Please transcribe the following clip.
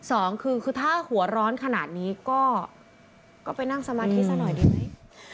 สองคือคือถ้าหัวร้อนขนาดนี้ก็ไปนั่งสมาธิซะหน่อยดีไหม